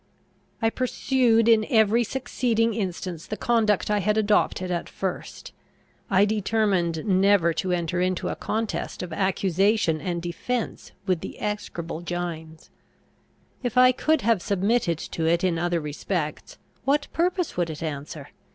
I pursued in every succeeding instance the conduct I had adopted at first. I determined never to enter into a contest of accusation and defence with the execrable Gines. If I could have submitted to it in other respects, what purpose would it answer?